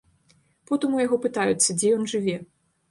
Потым у яго пытаюцца, дзе ён жыве.